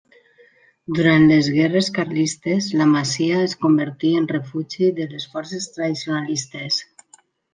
Durant les guerres carlistes la masia es convertí en refugi de les forces tradicionalistes.